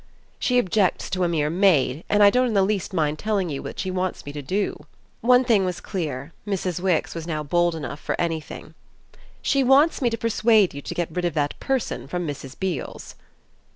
She objects to a mere maid, and I don't in the least mind telling you what she wants me to do." One thing was clear Mrs. Wix was now bold enough for anything. "She wants me to persuade you to get rid of the person from Mrs. Beale's."